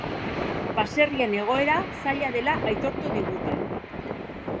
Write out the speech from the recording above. Baserrien egoera zaila dela aitortu digute.